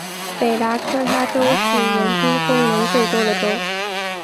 北达科他州是人均风能最多的州。